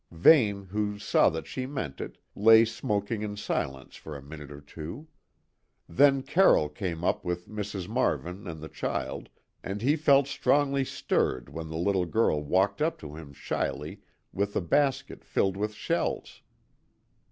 Vane, who saw that she meant it, lay smoking in silence for a minute or two. Then Carroll came up with Mrs. Marvin and the child, and he felt strongly stirred when the little girl walked up to him shyly with a basket filled with shells.